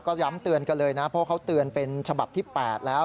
ก็ย้ำเตือนกันเลยนะเพราะเขาเตือนเป็นฉบับที่๘แล้ว